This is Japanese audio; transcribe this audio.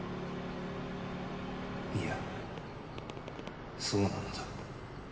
いやそうなのだ。